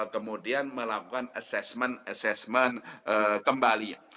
kemudian melakukan assessment assessment kembali